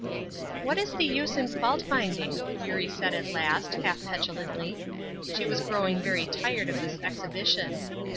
"What is the use in fault finding?" Eurie said at last, half petulantly. She was growing very tired of this exhibition.